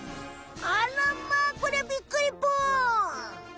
あらまこりゃびっくりぽん！